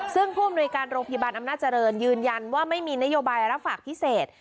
ซึ่งผู้อำนวยการโรงพยาบาลอำนาจเจริญยืนยันว่าไม่มีนโยบายรับฝากพิเศษ